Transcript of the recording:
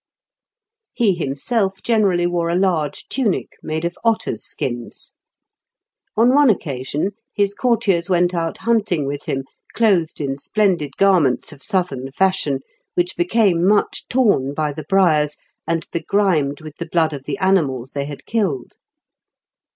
He himself generally wore a large tunic made of otters' skins. On one occasion his courtiers went out hunting with him, clothed in splendid garments of southern fashion, which became much torn by the briars, and begrimed with the blood of the animals they had killed.